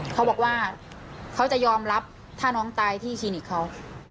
เขาบอกว่าเขาจะยอมรับถ้าน้องตายที่คลินิกเขา